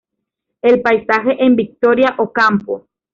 El paisaje en Victoria Ocampo".